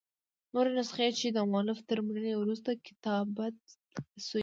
نوري نسخې، چي دمؤلف تر مړیني وروسته کتابت سوي يي.